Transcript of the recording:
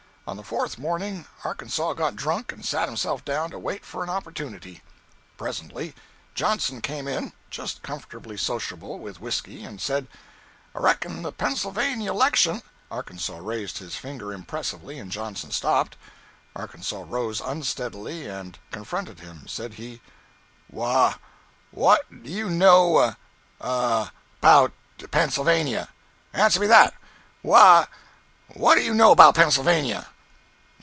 On the fourth morning, Arkansas got drunk and sat himself down to wait for an opportunity. Presently Johnson came in, just comfortably sociable with whisky, and said: "I reckon the Pennsylvania 'lection—" Arkansas raised his finger impressively and Johnson stopped. Arkansas rose unsteadily and confronted him. Said he: "Wh—what do you know a—about Pennsylvania? Answer me that. Wha—what do you know 'bout Pennsylvania?"